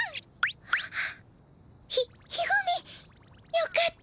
よかった。